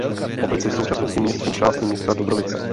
Obec je v současnosti městskou části města Dobrovice.